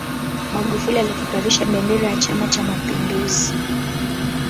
magufuli alipeperusha bendera ya chama cha mapinduzi